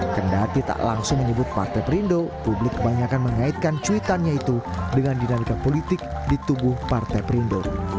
kendati tak langsung menyebut partai perindo publik kebanyakan mengaitkan cuitannya itu dengan dinamika politik di tubuh partai perindo